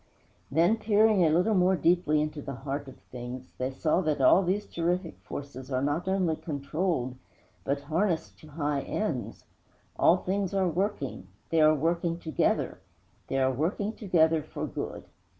_' Then, peering a little more deeply into the heart of things, they saw that all these terrific forces are not only controlled, but harnessed to high ends. All things are working they are working together they are working together for good!